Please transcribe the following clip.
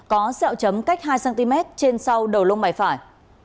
có xeo chấm cách hai cm trên sau đầu lông mày phải